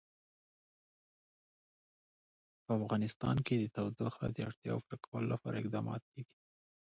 په افغانستان کې د تودوخه د اړتیاوو پوره کولو لپاره اقدامات کېږي.